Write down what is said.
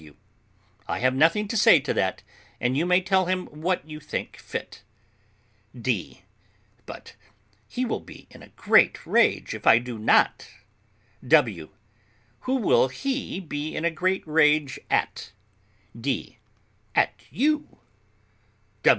W. I have nothing to say to that; you may tell him what you think fit. D. But he will be in a great rage if I do not. W. Who will he be in a great rage at? D. At you.